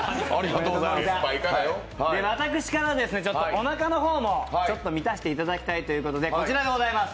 私からおなかの方も満たしていただきたいということで、こちらでございます。